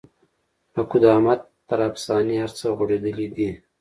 له قدامت تر افسانې هر څه غوړېدلي دي.